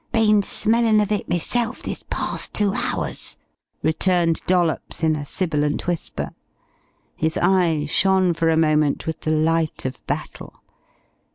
"Been smellin' of it meself this parst two hours," returned Dollops in a sibilant whisper. His eye shone for a moment with the light of battle.